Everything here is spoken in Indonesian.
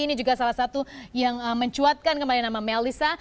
ini juga salah satu yang mencuatkan kembali nama melissa